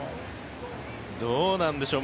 どうなんでしょう。